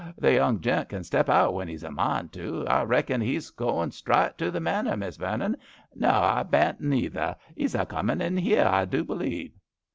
The young gent can step out when 'ees a mine to. I reckon 'ees goin* strite to the Manor, Miss Vernon. No a* hain't neither; 'ees a comin' in 'ere, I do believe."